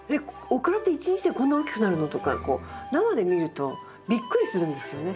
オクラって一日でこんなに大きくなるの？」とか生で見るとびっくりするんですよね。